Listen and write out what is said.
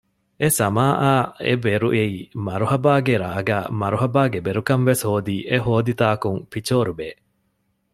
އެސަމާއާއި އެބެރު އެއީ މަރުހަބާގެ ރާގާއި މަރުހަބާގެ ބެރުކަން ވެސް ހޯދީ އެހޯދި ތާކުން ޕިޗޯރުބޭ